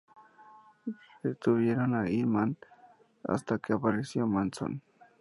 Retuvieron a Hinman hasta que apareció Manson.